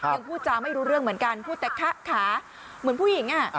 พูดจาไม่รู้เรื่องเหมือนกันพูดแต่คะขาเหมือนผู้หญิง